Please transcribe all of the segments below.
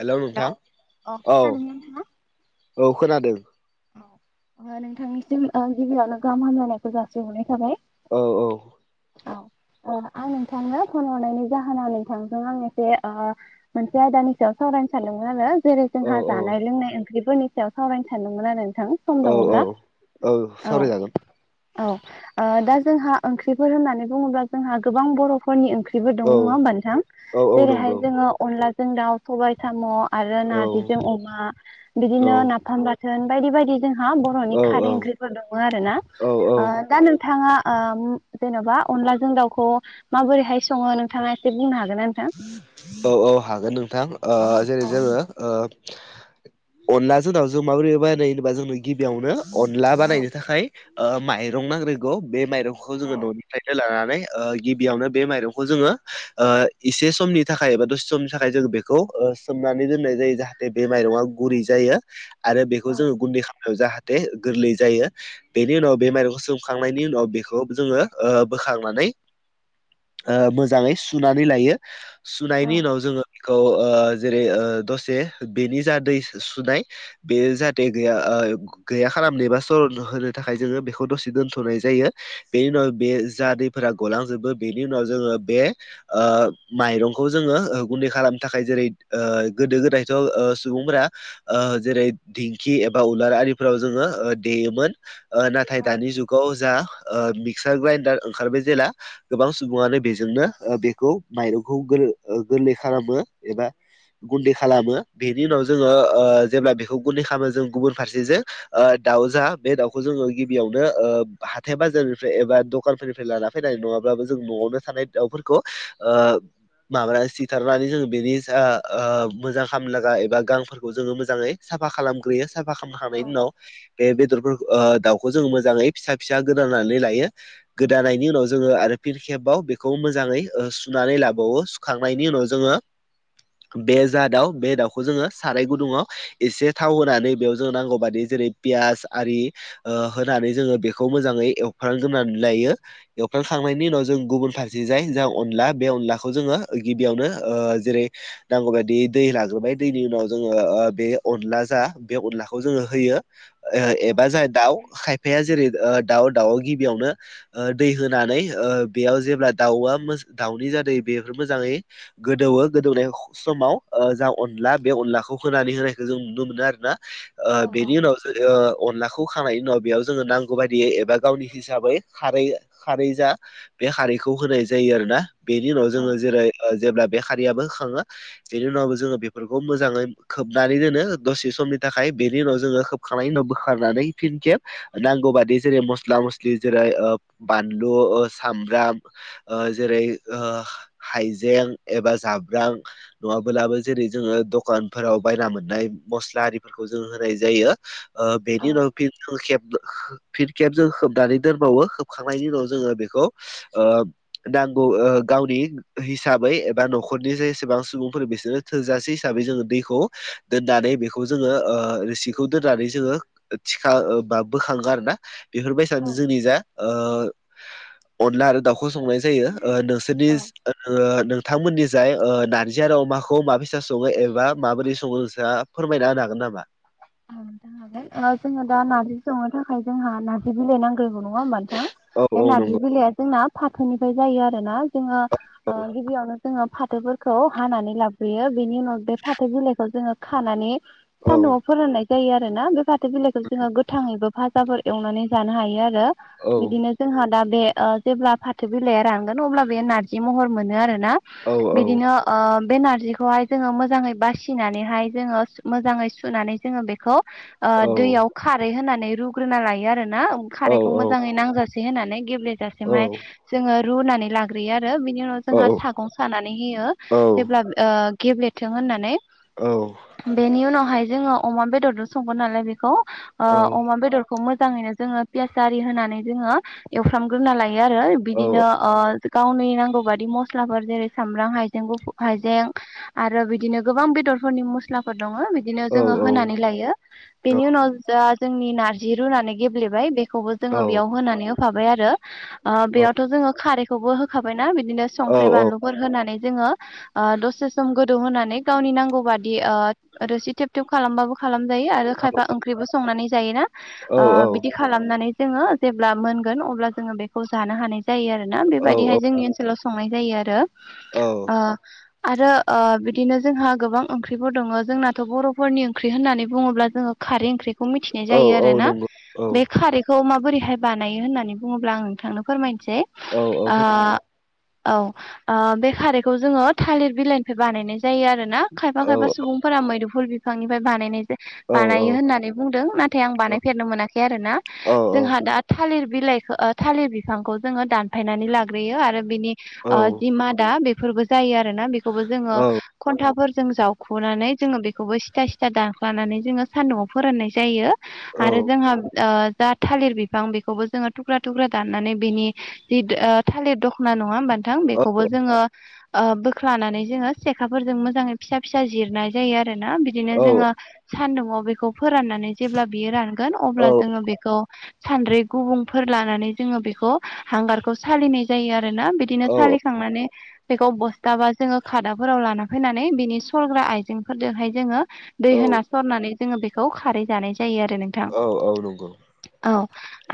Hello नोंथां अ औ खोनादोंना नोंथाङा? औ खोनादों नोंथांनिसिम गिबियावनो गाहाम हामलायनायखौ जासिहरनाय थाबाय औ औ औ ओ आं नोंथांनो फन हरनायनि जाहोना नोंथांजों आं एसे ओ मोनसे आयदानि सायाव सावरायनो सानदोंमोन आरो। जेरै औ जोंहा जानाय लोंनाय ओंख्रिफोरनि सायाव सावरायनो सानदोंमोन आरो नोंथां। सम औ औ दङब्ला औ। औ ओ दा जोंहा ओंख्रिफोर होननानै बुङोब्ला जोंहा गोबां बर'। फोरनि ओंख्रिबो दं औ नङा होनोमबा नोथां औ औ जेरैहाय नंगौ जोङो अनलाजों दाउ सबायाइ साम'। आरो औ नारजिजों अमा औ बिदिनो नाफाम बाथोन बायदि बायदि। जोंहा बर'नि औ खारै ओंख्रिफोर दङ आरो ना औ ओ दा नोंथाङा ओम जेन'बा अनलाजों दाउखौ माबोरैहाय सङो नोंथाङा एसे बुंनो हागोन ना नोंथां? औ औ हागोन नोंथां ओ जेरै औ जोङो ओ अनलाजो दावजो माब्रै बानायो होनबा जोंनो गिबियावनो। अनला औ बानायनो थाखाय ओ माइरं नांग्रोगौ बे माइरंखौ औ जोङो न'निफ्रायनो लानानै। ओ गिबियावनो बे माइरंखौ जोङो ओ एसे समनि थाखाय एबा दसे समनि थाखाय जों बेखौ ओ सोमनानै दोननाय जायो जाहा थे बे माइरङा गुरै जायो आरो बेखौ जोङो गुन्दै खालामनायाव जाहाथे गोरलै जायो। बेनि उनाव बे माइरंरखौ सोमखांनायनि उनाव बेखौ जोङो ओ बोखांनानै। ओ मोजाङै सुनानै लायो। औ सुनायनि उनाव जोङो बेखौ ओ जेरै दसे बेनि जा दै सु-सुनाय। बे जाहाथे गैया ओ गैया खालामनो एबा सरनो होनो थाखाय जोङो बेखौ दसे दोनथ'नाय जायो बेनि उनाव बे जाहा फोरा गलांजोबो बेनि उनाव जोङो बे ओ माइरंखौ जोङो ओ गुन्दै खालामनो थाखाय जेरै गोदो गोदायथ' ओ सुबुंफोरा। ओ जेरै दिंखि एबा उलार आरिफोराव जोङो ओ देयोमोन। ओ नाथाय औ दानि जुगाव जा ओ मिक्सार ग्राइनडार ओंखारबाय जेला गोबां सुबुङानो बेजोंनो बेखौ। माइरंखौ गोल ओ गोरलै खालामो एबा गुन्दै खालामो बेनि उनाव जोङो ओ जेब्ला बेखौ गुन्दै खालामो जों गुबुन फारसेजो ओ दाउ जा बे दाउखौ जोङो गिबियावनो ओ हाथाय बाजारनिफ्राय एबा दखानफोरनिफ्राय लाना फैनाय नङाब्लाबो जों न'आवनो थानाय दाउफोरखौ ओ। माबानानै सिथारनानै जों बेनि जा ओ मोजां खामलागा एबा गांफोरखौ जोङो मोजाङै। साफा खालामग्रोयो साफा औ खालामनोखांनायनि उनाव बे बेदरफोर ओ दाउखो जों मोजाङै फिसा फिसा गोदानानै लायो। गोदानायनि उनाव जोङो आरो फिनखेबाव बेखौ मोजाङै ओ सु सुनानै लाबावो सुखांनायनि उनाव जोङो बे जा दाउ बे दाउखौ जोङो साराय गुदुङाव एसे थाव होनानै बेयाव जोंङो नांगौ बादि जेरै पियास आरि ओ होनानै जोङो बेखौ मोजाङै एवफ्रामग्रोनानै लायो। एवफ्रामखांनायनि उनाव जों गुबुन फारसे जाय जाय अनला बे अनलाखौ जोङो गिबियावनो ओ जेरै नांगौ बायदि दै लाग्रोबाय दैनि उनाव जोङो ओ बे अनला जा बे अनलाखौ जोङो होयो। ओ एबा जाय दाउ खायफाया जेरै दाउ दाउ गिबियावनो ओ दै होनानै ओ बेयाव जेब्ला दाउआ मो दाउनि जाते बेफोर मोजाङै गोदौवो गोदौनाय ख समाव जा अनला बे अनलाखौ होनानै होनायखौ जों नुनो मोनो आरो ना। ओ औ बेनि उनाव जेरै ओ अनलाखो खौ होखांनायनायनि उनाव बेयाव जोङो नांगौ बायदियै एबा गावनि हिसाबै खारै खारै जा बे खारैखौ होनाय जायो आरोना बेनि उनाव जोङो जेरै जेब्ला बे खारियाबो होखाङो। बेनि उनावबो जोङो बेफोरखौ मोजाङै खोबनानै दोनो दसे समनि थाखाय बेनि उनाव जोङो खोब खांनायनि उनाव बोखारनानै फिन खेब। नांगौ बादि जेरै मस्ला मस्लि जेरै ओ बानलु ओ सामब्राम। ओ जेरै ओ हाइजें एबा जाब्रां नङाबोलाबो जेरै जोङो दखानफोराव बायना मोननाय मस्ला आरिफोरखौ जों होनाय जायो ओ औ बेनि उनाव बे खेब फिन केेब जों खोबनानै दोनबावो खोबखांनायनि उनाव जोङो ओ बेखौ नांगौ गावनि हिसाबै एबा न'खरनि जेसेबां सुबुंफोर बिसोरनो थोजासे हिसाबै जोङो दैखौ दोननानै बेखौ जोङो ओ रोसिखौ दोननानै जोङो थिखा बा बोखाङो आरोना बेफोरबायसानो औ जोंनि जा ओ अनला आरो दाउखौ संनाय जायो ओ [unintelligible] औ नोंथांमोननि जाय ओ नारजि आरो अमाखौ माबैसा सङो एबा माबोरै सङो नोंसा फोरमायना होनो हागोन नामा? [unintelligible] जोङो दा नारजि संनो थाखाय जोंहा ना नारजि बिलाइ नांग्रोगो नङा होमबा नोंथां औ बे औ नारजि नंगौ बिलाइया जोंना फाथोनिफ्राय जायो आरो ना जोङो औ ओ गिबियावनो जोङो फाथोफोरखौ हानानै लाग्रोयो बेनि उनाव बे फाथो बिलाइखौ जोङो खानानै सानदुंआव फोराननाय जायो आरो ना बे फाथो बिलाइखौ जोङो गो थां एबा भाजाफोर एवनानै जानो हायो आरो औ बिदिनो जोंहा दा बे ओ जेब्ला फाथो बिलाइया रानांगोन अब्ला बे नारजि महर मोनो आरोना औ बिदिनो ओ बे नारजिखौहाय जोङो मोजाङै बासिनानैहाय जोङो मोजाङै सुनानै जोङो बे खौ ओ औ दैयाव खारै होनानै रुग्रोना लायो आरोना औ खारैखौ मोजाङै नांजा से होनानै गेब्लेेजासे माय जोङो रुनानै लाग्रोयो आरो बि नि उनाव औ जोंहा सागं सानानै होयो जेब्ला ओ गेब्लेथों होननानै। औ बेनि उनावहाय जोङो अमा बेदरदो संगोन नालाय बेखौ ओ औ अमा बेदर खौ मोजाङैनो जोङो पियास आरि होनानै जोङो एवफ्रामग्रोना लायो आरो बिदिनो ओ गावनि नांगौ बादि मस्लाफोर जेरै सामब्राम हाइजें गुफुर हाइजें आरो बिदिनो गोबां बेदरफोरनि मस्लाफोर दङ बिदिनो जोङो होनानै औ यो बेनि उनाव जा जोंनि नारजि रुनानै गेब्लेबाय बेखौबो जोङो बेयाव होनानै होफाबाय आरो बेयावथ' जोङो खारैखौबो होखाबायना बिदिनो संख्रि बालु अर होनानै जोङो ओ दसे सम गो दौ होननानै गावनि नांगौ बादि ओ रोसि थेब थेब खालामबाबो खालामजायो आरो खायफा ओंख्रिबो संनानै जायो ना ओ बि दि खालामनानै जोङो जेब्ला मोनगोन अब्ला जोङो बेखौ जानो हानाय जायो आरोना बेबायदिहाय जोंनि ल' संनाय जायो आरो औ ओ आरो ओ बिदिनो जोंहा गोबां ओंख्रिफोर दङ जोंनाथ' बर'फोरनि ओंख्रि होननानै बुङोब्ला जोङो खारै ओंख्रिखौ मिथिनाय औ जायो औ आरो ना नंगौ औ बे खारैखौ माबोरैहाय बानायो होननानै बुङोब्ला आं नोंथांनो फोरमायनोसै औ औ ओ औ ओ बे खारैखौ जोङो थालिर बिलाइनिफ्राय बानायनाय जायो आरो ना खायफा औ खायफा सुबुंफोरा मैदुफुल बिफांनिफ्राय बानायनाय जा बानायो औ होननानै बुंदों ना थाय आं बानायफेरनो मोनाखै आरो ना जोंहा दा थालिर बिलाइखो थालिर बिफांखौ जोङो दानफायनानै लाग्रोयो आरो बिनि ओ दिमादा बेफोरबो जायो आरो ना बेखौबो जोङो औ खन्थाफोरजों जावखुनानै जोङो बेखौबो सिथा सि [unintelligible] दाख्लानानै जोङो सान्दुंआव फोराननाय जायो औ आरो जोङो ओ जा थालिर बिफां बेखौबो जोङो थुख्रा थुख्रा दाननानै बिनि जि ओ थालिर दख'ना नङा होमबा थां औ बेखौबो जोङो ओ बोख्लानानै जोङो सेखाफोरजों मोजाङै फिसा फिसा जिरनाय जायो आरो ना बिदिनो औ जोङो सान्दुंङाव बेखौ फोराननानै जेब्ला बियो रानगोन औ अब्ला जोङो बेखौ सानद्रै गुबुंफोर लानानै जोङो बेखौ हांगारखौ सालिनाय जायो आरोना बिदिनो औ सालिखांनानै बेखौ बस्थाबा जोङो खादाफोराव लाना फैनानै बिनि सरग्रा आयजेंफोरजोंहाय जोङो दै होना औ सरनानै जोङो बेखौ खारै जानाय जायो आरो नों औ औ नंगौ औ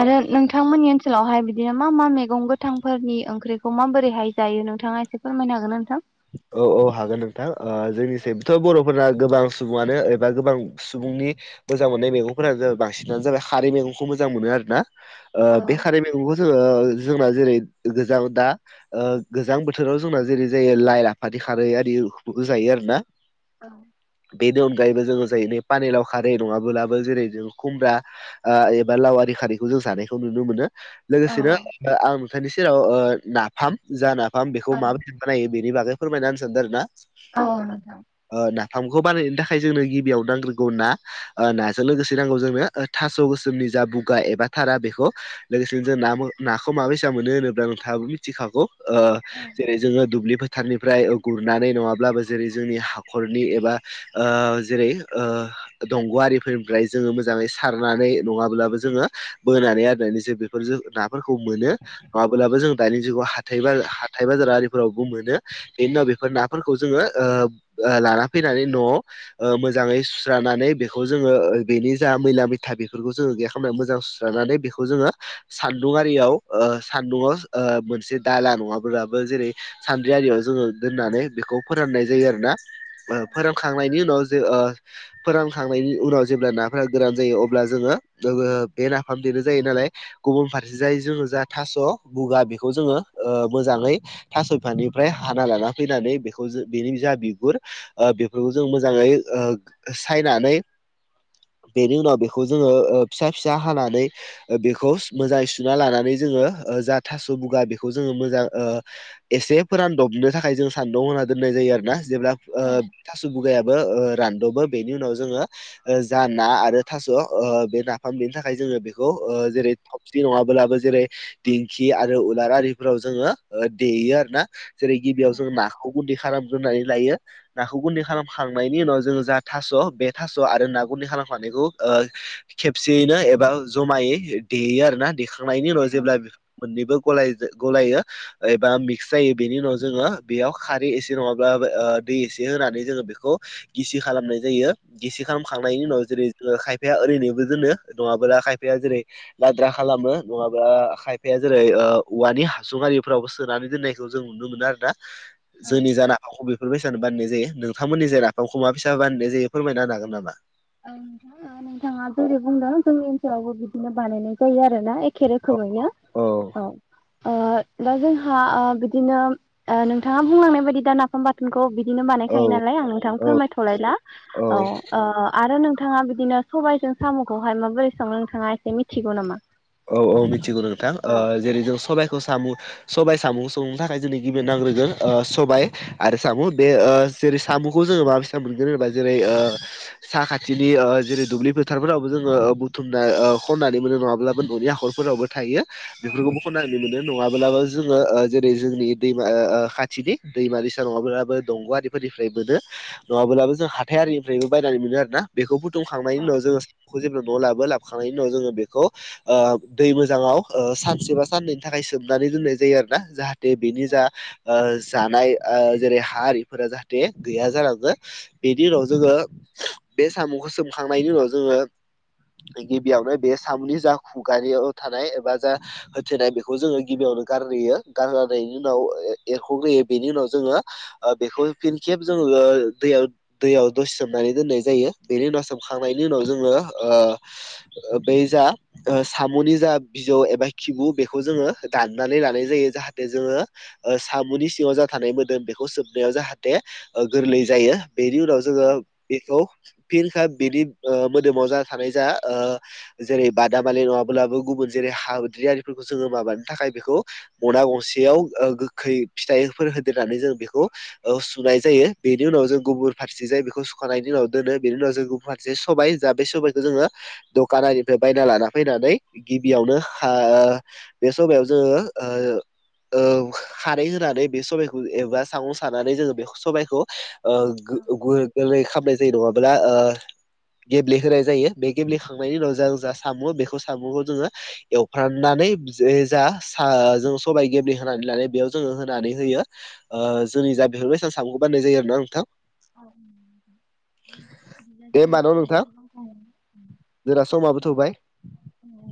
आरो नोंथांमोननि ओनसोलावहाय बिदिनो मा मा मैगं गोथांफोरनि ओंख्रिखौ माबोरैहाय जायो नोंथाङा एसे फोरमायनो हागोनना नोंथां औ औ हागोन नोंथां ओ जोंनिथिं थ' बर'फोरना गोबां सुबुङानो एबा गोबां सुबुंनि मोजां मोननाय मैगंफोरानो जाबाय बांसिनानो जाबाय खारै मैगंखौ मोजां मोनो आरो ना ओ औ बे खारै मैगंखौ जोङो जोंना जेरै गोजां दा ओ गोजां बोथोराव जोंना जेरै जायो। लाइ लाफादै खारै आरि जायो आरो ना औ बेनि अनगायैबो जोङो जायैनो पानिलाव खारै नङाब्लाबो जेरै जों खुमब्रा ओ एबा लावि‌ आरि खारैखौ जों जानायखौ नुनो मोनो लोगोसेनो आं नोंथांनि सेराव ओ नाफाम जा नाफाम बेखौ माबायदि बानायो बेनि बागै फोरमायना होनो सानदों आरो ना औ नोंथां नाफामखौ बानायनो थाखाय जोंनो गिबियाव नांग्रोगौ ना नाजों लोगोसे नांगौ जोंनो थास' गोसोमनि जा बुगा एबा थारा बेखौ लोगोसेनो जों ना नाखौ माबायसा मोनो होनोब्ला नोंथाङाबो मिथिखागौ ओ जेरै जोंङो दुब्लि फोथारनिफ्राय गुरनानै नङाब्लाबो जेरै जोंनि हाखरनि एबा ओ जेरै ओ दंग' आरिफोरनिफ्राय जोङो मोजाङै सारनानै नङाब्लाबो जोङो बोनानै आरिनानै जों जों नाफोरखौ मोनो नङाब्लाबो जों दानि जुगाव हाथाय हाथाय बाजार आरिफोरावबो मोनो बेनि उनाव बेफोर नाफोरखौ जोङो ओ ओ लाना फैनानै न'आव ओ मोजाङै सुस्रानानै बेखौ जोङो बेनि जा मैला मैथा बेफोरखौ जोङो गैया खालामनानै मोजां जानानै बेखौ जोङो सान्दुंआिरियाव ओ सान्दुंआव ओ मोनसे दाला नङाब्लाबो जेरै सानदुं जोंङो दोननानै बेखौ फोराननाय जायो आरो ना फोरानखांनायनि उनाव ओ जे फोरानखांनायनि उनाव जेब्ला नाफोरा गोरान जायो अब्ला जोङो बे नाफाम जोंनो जायोनालाय गुबुन फारसे जाय जोङो जा थास' बुगा बेखौ जोङो ओ मोजाङै थास' बिफानिफ्राय हाना लाना फैनानै बेखौ बेनि जा बिगुर बेफोरखौ जों मोजाङै सायनानै बेनि उनाव बेखौ जोङो फिसा फिसा हानानै बेखौ मोजाङै सुना लानानै जोङो जा थास' बुगा बेखौ जोङो मोजां एसे फोरानदबनो थाखाय जों सानदुंआव होना दोननाय जायो आरो ना जेब्ला औ थास' बुगाया [unintelligible] रानद'बो बेनि उनाव जोङो जा ना आरो थास' बे नाफाम बेनि थाखाय जोङो बेखौ जेरै थबसि नङाब्लाबो जेरै दिंखि आरो उलार आरिफोराव जोङो देयो आरो जेरै गिबियाव जों नाखौ गुन्दै खालामग्रोनानै लायो नाखौ गुन्दै खालामखांनायनि उनाव जोङो जा थास' बे थास' आरो ना गुन्दै खालामखानायखौ ओ खेबसेयैनो एबा जमायै देयो आरोना देखां सुखांनायनि उनाव जेब्ला मोननै गलायो एबा‌ मिस्क जायो बेनि उनाव जोङो बेयाव खारै एसे नङाब्ला दै एसे होनानै जोङो बेखौ गिसि खालामनाय जायो गिसि खालामखांनायनि उनाव जेरै खायफाया ओरैनोबो दोनो नङाबा खायफाया जेरै लाद्रा खालामो नङाबा खायफाया जेरै ओ औवानि हासुं आरिफोरावबो सोनानै दोननाय जों नुनो मोनो आरोना जोंनि जा नाफामखौ बेफोरबाय बानायनाय जायो नोंथांमोननि जे नाफामखौ माबायसा बानायनाय जायो फोरमायना होनो हागोन नामा नोंथां नोंथाङा जेरै बुंदों जोंनि ओनसोलावबो बिदिनो बानायनाय जायो आरो ना एखे औ रोखोमैनो औ [unintelligible] दा जोंहा बिदिनो नोंथाङा बुंलांनाय बायदि दा ना [unintelligible] बाथोनखौ बिदिनो औ बानायखायो नालाय आं नोंथां औ फोरमायथ'लायला औ आरो नोंथाङा बिदिनो सबायाइजों साम'खौहाय माबोरैसेबां नोंथाङा एसे मिथिगौ नामा औ औ मिथिगौ नोंथां औ जेरै जों सबबायखौ साम' सबाय सामु संनो थाखाय जोंनो गिबि नांग्रोगोन सबाय आरो साम' बे जेरै साम'खौ जोङो माबिसि मोनगोन होनोब्ला जेरै साखाथिनि जेरै दुब्लि फोथारफोरावबो जोङो बुथुमना खननानै मोनो नङाब्ला न'नि हखरफोरावबो थायो बेफोरखौबो खनाय मोनो नङाबा [unintelligible] जेरै जोंनि खाथिनि दैमा दैसा नङाब्लाबो दं' फोरनिफ्राय मोनो नङाब्लाबो जों हाथायआरिनिफ्रायबो बायनानै मोनो आरो ना बेखौ बु औ उनाव जोङो साम'खौ जेब्ला न' लाबो लाबोखांनायनि उनाव जोङो बेखौ दै मोजाङाव सानसे बा साननैनि थाखाय सोमनानै दोननाय जायो आरो ना जाहाथे जाहाथे बेनि औ जा जानाय जेरै हा हिफोरा जाहाथे गैया जालाङो बेनि उनाव जोङो बे साम'खौ सोमखांनायनि उनाव जोङो गिबियावनो बे सामुनि जा खुगानियाव थानाय एबा जा होथेनाय बेखौ जोङो गिबियावनो गारग्रोयो [unintelligible] उनाव एरख'ग्रोयो बेनि उनाव जोङो बेखौ फिन खेब जोङो दैयाव दैयाव दसे सोमनानै दोननाय जायो बेनि उनाव सोमखांनायनि उनाव जोङो बे जा साम'नि जा बिजौ एबा खिबु बेखौ जोङो दाननानै लानाय जायो जाहाथे जोङो सामुनि सिङाव जा थानाय मोदोम बेखौ सोबनायाव जाहाथे गोरलै जायो बेनि उनाव जोङो औ बेखौ फिन बिनि मोदोमाव जा थानाय जा जेरै बादामालि नङाब्लाबो गुबुन जेरै हाद्रिारिफोरखौ जोङो माबानो थाखाय बेखौ मना गंसेयाव गोखै फिथाइफोर होदेरनानै जों बेखौ सुनाय जायो बेनि उनाव जों गुबुन फारसे जाय बेखौ सुखांानायनायनि उनाव दोनो बेनि उनाव जों मोनसे सबाय जा बे सबायखौ जोङो दखाननिफ्राय बायना लाना फैनानै गिबियावनो बे समायाव जोङो खारै होनानै बे सबाइखौ एबा सागं सानानै जोङो बे सबायखौ [unintelligible] खालामनाय जायो नङाब्ला गेब्लेहोनाय जायो बे गेब्लेखांनायनि उनाव जों सामु बेखौ सामुखौ जोङो एवफ्राननानै ज जा स जों सबायाइ गेब्ले होनानै लानाय बेयाव जोङो होनानै होयो जोंनि जा बेफोरबाय सान सामुखौ बानायनाय जायो आरो ना नोंथां औ दे होमबा न' बिज नोंथां जसि जोंना समाबो थौबाय म औ